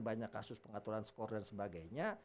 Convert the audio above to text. banyak kasus pengaturan skor dan sebagainya